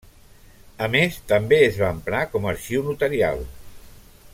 A més, també es va emprar com a arxiu notarial.